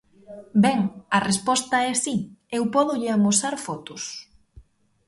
Ben, a resposta é si, eu pódolle amosar fotos.